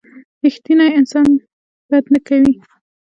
رښتینی انسان بد نه کوي.